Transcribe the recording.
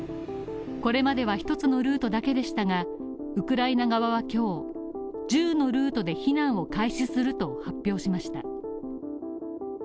これまでは１つのルートだけでしたがウクライナ側は今日、１０のルートで避難を開始すると発表しました。